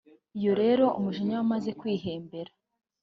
Iyo rero umujinya wamaze kwihembera